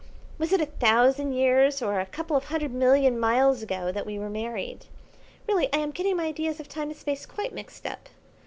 Was it a thousand years or a couple of hundred million miles ago that we were married? Really I am getting my ideas of time and space quite mixed up.